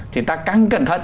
thì ta cắn cẩn thận